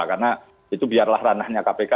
karena itu biarlah ranahnya kpk